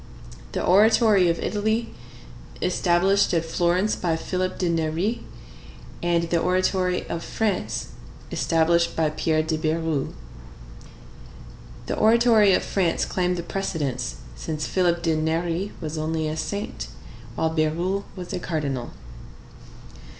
The Oratory of Italy, established at Florence by Philip de Neri, and the Oratory of France, established by Pierre de Bérulle. The Oratory of France claimed the precedence, since Philip de Neri was only a saint, while Bérulle was a cardinal.